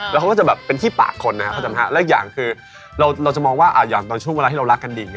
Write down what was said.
แล้วเขาก็จะแบบเป็นที่ปากคนนะครับเข้าใจไหมฮะและอีกอย่างคือเราจะมองว่าอย่างตอนช่วงเวลาที่เรารักกันดี